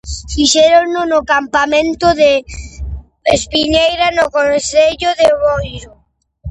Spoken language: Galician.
Fixérono no Campamento de Espiñeira, no concello de Boiro.